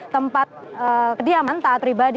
kemudian juga ada perhiasan